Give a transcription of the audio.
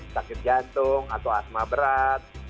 sakit jantung atau asma berat